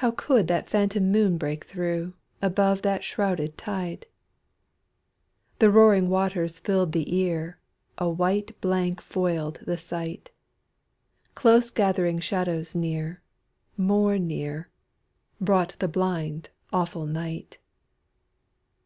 How could that phantom moon break through, Above that shrouded tide? The roaring waters filled the ear, A white blank foiled the sight. Close gathering shadows near, more near, Brought the blind, awful night.